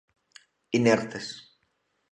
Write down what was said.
Inertes.